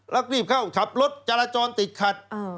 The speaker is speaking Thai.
แล้วรีบเข้าขับรถจราจรติดขัด